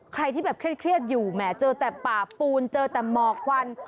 ใครที่แบบเครียดอยู่แหมเจอแต่ป่าปูนเจอแต่หมอกควัน